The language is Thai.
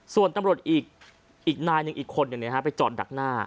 ส่วนตำรวจอีกนายหนึ่งอีกคนหนึ่งไปจอดดักหน้า